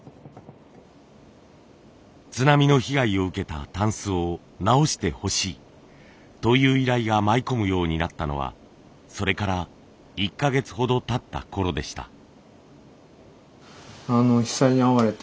「津波の被害を受けた箪笥を直してほしい」という依頼が舞い込むようになったのはそれから１か月ほどたったころでした。